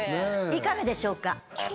いかがでしょうか。